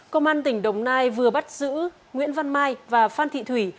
công an tỉnh đồng nai vừa bắt giữ nguyễn văn mai và phan thị thủy